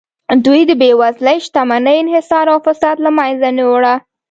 دوی د بېوزلۍ، شتمنۍ انحصار او فساد له منځه نه وړه